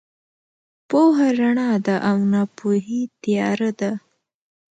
پوهه رڼا ده او ناپوهي تیاره ده.